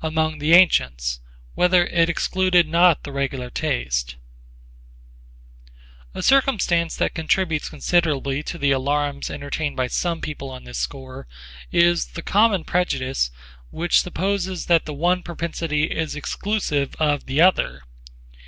Among the antients whether it excluded not the regular taste A circumstance that contributes considerably to the alarms entertained by some people on this score is the common prejudice which supposes that the one propensity is exclusive of the other.